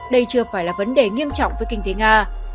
đây chưa phải là vấn đề nghiêm trọng với kinh tế nga